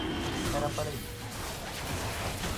¿Era para iso?